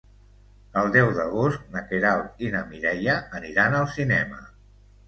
El deu d'agost na Queralt i na Mireia aniran al cinema.